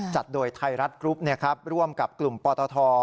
จัดโดยไทยรัฐกรุ๊ปร่วมกับกลุ่มปตท